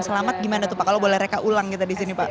selamat gimana tuh pak kalau boleh reka ulang kita disini pak